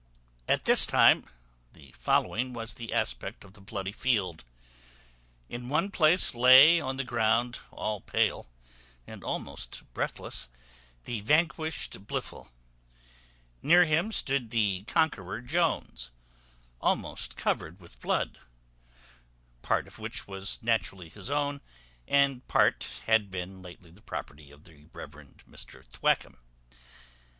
At this time, the following was the aspect of the bloody field. In one place lay on the ground, all pale, and almost breathless, the vanquished Blifil. Near him stood the conqueror Jones, almost covered with blood, part of which was naturally his own, and part had been lately the property of the Reverend Mr Thwackum.